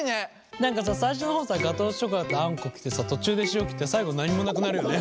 何かさ最初の方さガトーショコラとあんこ来てさ途中で塩来て最後何もなくなるよね。